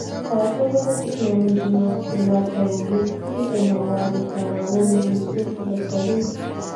تاسو به د ټېکنالوجۍ محصولاتو تولید کې د موادو کارولو اصول زده کړئ.